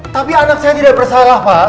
tapi anak saya tidak bersalah pak